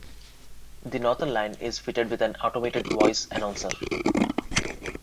The Northern line is fitted with an automated voice announcer.